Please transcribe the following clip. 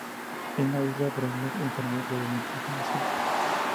En la isla, Brouwer enfermó gravemente y falleció.